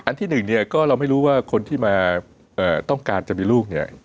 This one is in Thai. ที่หนึ่งเนี่ยก็เราไม่รู้ว่าคนที่มาต้องการจะมีลูกเนี่ย